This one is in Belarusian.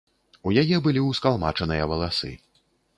У яе былі ўскалмачаныя валасы.